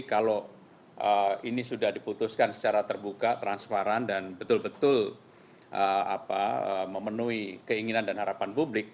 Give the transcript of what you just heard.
kalau ini sudah diputuskan secara terbuka transparan dan betul betul memenuhi keinginan dan harapan publik